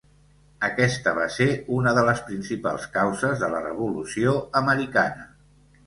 Aquesta va ser una de les principals causes de la Revolució Americana.